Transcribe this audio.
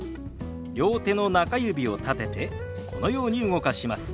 両手の中指を立ててこのように動かします。